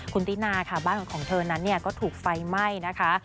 คุณตินาค่ะบ้านของเธอนั้นเนี่ยก็ถูกไฟไหม้นะคะ